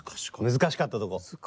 難しかったこと？